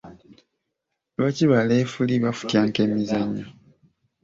Lwaki ba lefuli bafutyanka emizannyo ?